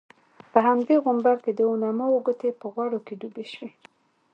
په همدې غومبر کې د علماوو ګوتې په غوړو کې ډوبې شوې.